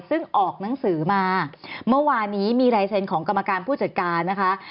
ซึ่งออกหนังสือมาเมื่อวานนี้มีลายเซ็นต์ของกรรมการผู้จัดการนะคะ